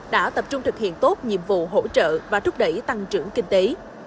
đã tập trung thực hiện tốt nhiệm vụ hỗ trợ và thúc đẩy tăng trưởng kinh tế